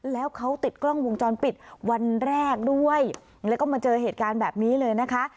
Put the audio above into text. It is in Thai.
แล้วเขาติดกล้องวงจรปิดวันแรกด้วยแล้วก็มาเจอเหตุการณ์แบบนี้เลยนะคะ